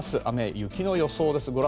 雨、雪の予想です。